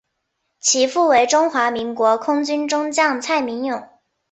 其父为中华民国空军中将蔡名永。